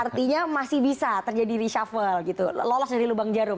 artinya masih bisa terjadi reshuffle gitu lolos dari lubang jarum